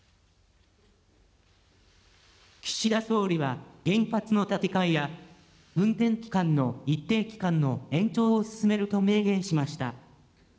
岸田総理は原発の建て替えや、運転期間の一定期間の延長を進めると明言しました。